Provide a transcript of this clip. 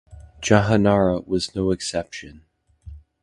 Jahanara was no exception.